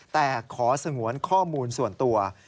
แต่ขอสงวนข้อมูลส่วนตัว